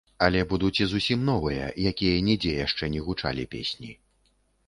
Але будуць і зусім новыя, якія нідзе яшчэ не гучалі песні.